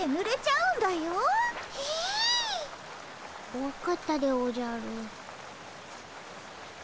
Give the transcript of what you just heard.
分かったでおじゃる。